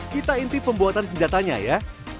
kita inti pembuatan senjatanya ya